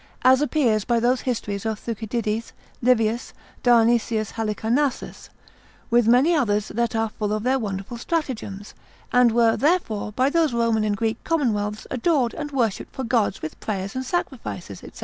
as appears by those histories of Thucydides, Livius, Dionysius Halicarnassus, with many others that are full of their wonderful stratagems, and were therefore by those Roman and Greek commonwealths adored and worshipped for gods with prayers and sacrifices, &c.